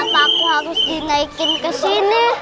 kenapa aku harus dinaikin kesini